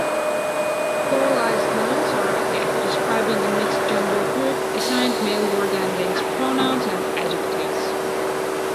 Pluralized nouns are, if describing a mixed-gender group, assigned male word-endings, pronouns, and adjectives.